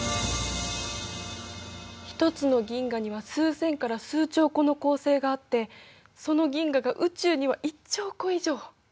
１つの銀河には数千から数兆個の恒星があってその銀河が宇宙には１兆個以上！